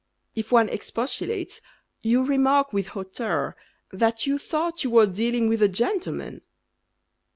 If one expostulates, You remark With hauteur That you thought you were dealing with a gentleman.